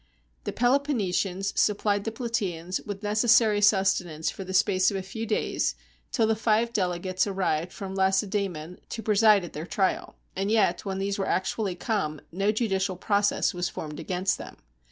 The Peloponnesians supplied the Plataeans with neces sary sustenance for the space of a few days, till the five delegates arrived from Lacedaemon to preside at their trial. And yet, when these were actually come, no judicial process was formed against them.